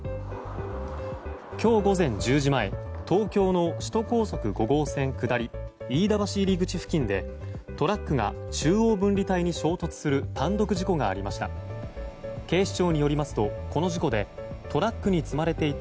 今日午前１０時前東京の首都高速５号線下り飯田橋入り口付近でトラックが中央分離帯に衝突する単独事故がありました。